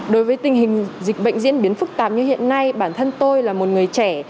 đối với tình hình dịch bệnh diễn biến phức tạp như hiện nay bản thân tôi là một người trẻ